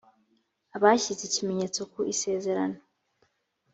abashyize ikimenyetso ku isezerano